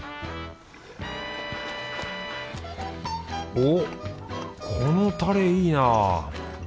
おっこのタレいいなぁ。